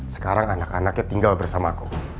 sekarang anak anaknya tinggal bersamaku